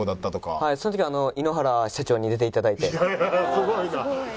すごいな。